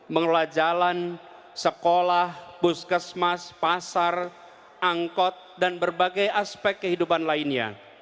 mengelola jalan sekolah puskesmas pasar angkot dan berbagai aspek kehidupan lainnya